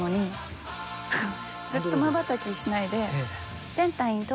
ずっとまばたきしないで。